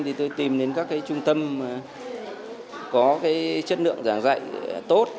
thì tôi tìm đến các trung tâm có chất lượng giảng dạy tốt